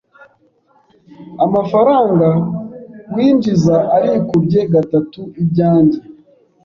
Amafaranga winjiza arikubye gatatu ibyanjye. .